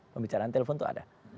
pembicaraan telepon itu ada